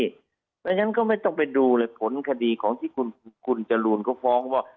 เพราะฉะนั้นไม่ต้องไปดูผลคดีที่คุณจรูนก็ฟ้องว่า